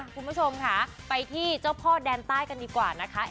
คุณผู้ชมค่ะไปที่เจ้าพ่อแดนใต้กันดีกว่านะคะ